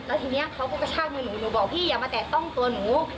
แล้วทีนี้เขาก็กระชากมือหนูหนูบอกพี่อย่ามาแตะต้องตัวหนู